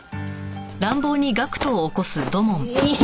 おお！